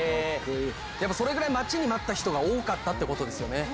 やっぱりそれぐらい、待ちに待った人が多かったってことですよね。